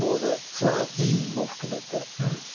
それはいい意味も含めて。